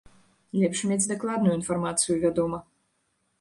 Лепш мець дакладную інфармацыю, вядома.